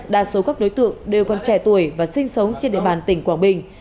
đa số các đối tượng đều còn trẻ tuổi và sinh sống trên địa bàn tỉnh quảng bình